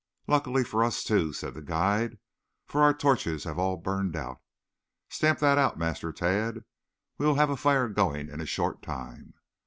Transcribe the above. Luckily for us, too," said the guide, "for our torches have all burned out. Stamp that out, Master Tad. We will have a fire going in a short time."